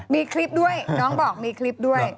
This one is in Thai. มีคลิปด้วยน้องบอกมีคลิปด้วย